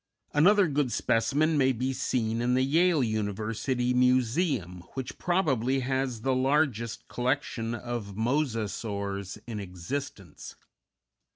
Another good specimen may be seen in the Yale University Museum, which probably has the largest collection of Mosasaurs in existence.